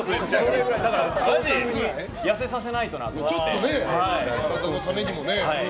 痩せさせないとなって思って。